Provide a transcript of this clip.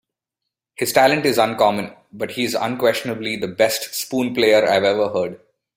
His talent is uncommon, but he is unquestionably the best spoon player I've ever heard.